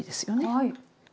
はい。